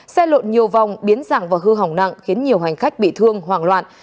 xe lộn nhiều vòng biến dạng và hư hỏng nặng khiến nhiều hành khách bị thương hoảng loạn